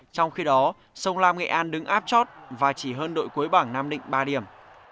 trong khi đó sông lam nghệ an đứng áp chót và chỉ hơn đội cuối bảng nam định ba điểm